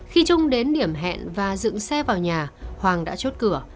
khi trung đến điểm hẹn và dựng xe vào nhà hoàng đã chốt cửa